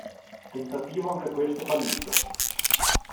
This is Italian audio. Tentativo anche questo fallito.